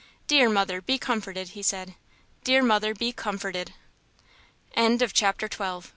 "Dear mother, be comforted!" he said; "dear mother, be comforted!" CHAPTER XIII.